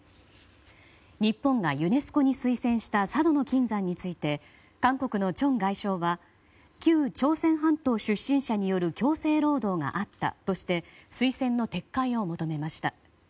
日本がユネスコに推薦した佐渡島の金山について韓国のチョン外相は旧朝鮮半島出身者による強制労働があったとして推薦の撤回を求めました。